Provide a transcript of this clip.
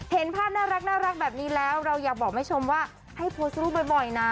เห็นภาพน่ารักแบบนี้แล้วเราอยากบอกแม่ชมว่าให้โพสต์รูปบ่อยนะ